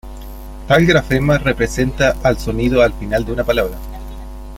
Tal grafema representa al sonido al fin de una palabra.